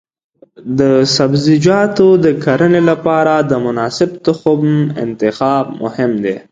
د سبزیجاتو د کرنې لپاره د مناسب تخم انتخاب مهم دی.